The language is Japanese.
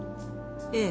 ええ。